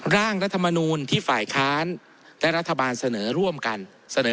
ร่างรัฐมนูลที่ฝ่ายค้านและรัฐบาลเสนอร่วมกันเสนอ